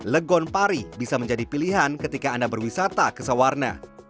legon pari bisa menjadi pilihan ketika anda berwisata ke sawarna